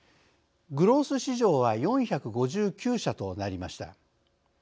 グロース市場は４５９社となりました。